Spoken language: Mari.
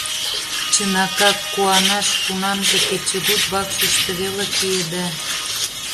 Чынакак, куанаш, кунамже кечыгут вакшыште веле киеда.